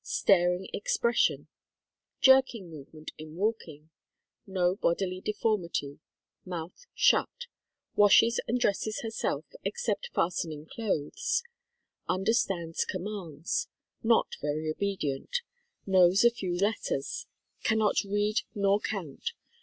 Staring expression. Jerking movement in walking. No bodily deformity Mouth shut. Washes and dresses herself, except fastening clothes. Under stands commands. Not very obedient. Knows a few letters. Cannot read nor count.